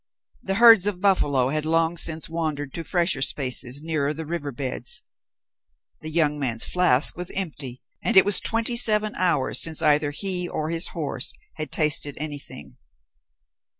The herds of buffalo had long since wandered to fresher spaces nearer the river beds. The young man's flask was empty, and it was twenty seven hours since either he or his horse had tasted anything.